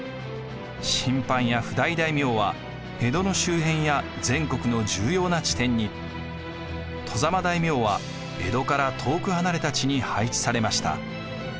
親藩や譜代大名は江戸の周辺や全国の重要な地点に外様大名は江戸から遠く離れた地に配置されました。